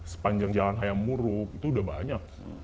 sepanjang jalan hayam muruk itu sudah banyak